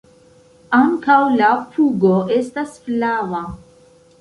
Ankaŭ la pugo estas flava.